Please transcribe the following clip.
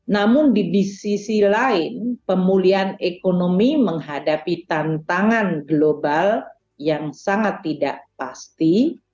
namun di sisi lain pemulihan ekonomi menghadapi tantangan global yang sangat tidak pasti